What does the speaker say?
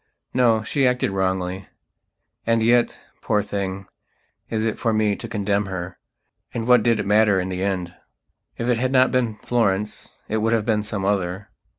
No, she acted wrongly.... And yet, poor thing, is it for me to condemn herand what did it matter in the end? If it had not been Florence, it would have been some other...